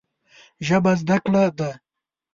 ژبه زده کړه ده